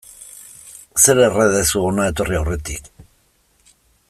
Zer erre duzu hona etorri aurretik.